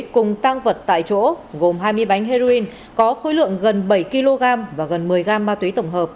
cùng tăng vật tại chỗ gồm hai mươi bánh heroin có khối lượng gần bảy kg và gần một mươi gam ma túy tổng hợp